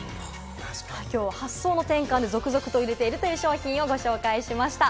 きょうは発想の転換で続々売れているというものをご紹介しました。